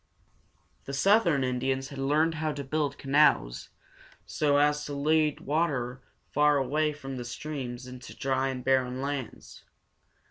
The southern Indians had learned how to build canals, so as to lead the water far away from the streams into dry and barren lands.